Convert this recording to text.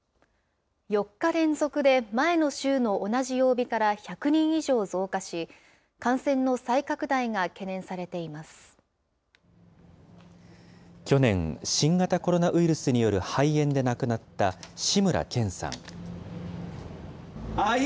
４日連続で前の週の同じ曜日から１００人以上増加し、感染の去年、新型コロナウイルスによる肺炎で亡くなった志村けんさん。